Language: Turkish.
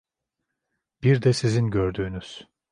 Bir de sizin gördüğünüz.